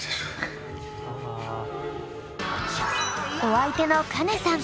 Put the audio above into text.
お相手のカネさん。